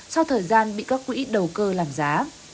sau thời gian bị các quỹ đầu cơ làm giá